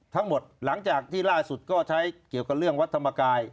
หลังจากที่ล่าสุดก็ใช้เกี่ยวกับเรื่องวัดธรรมกาย